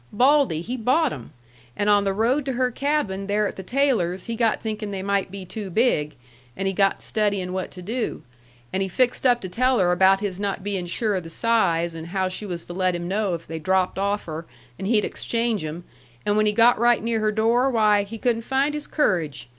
"Baldy he bought 'em. And on the road to her cabin there at the Taylors' he got thinkin' they might be too big, and he got studyin' what to do. And he fixed up to tell her about his not bein' sure of the size, and how she was to let him know if they dropped off her, and he'd exchange 'em, and when he got right near her door, why, he couldn't find his courage.